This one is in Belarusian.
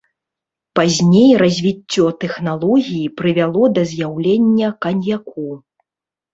Пазней развіццё тэхналогіі прывяло да з'яўлення каньяку.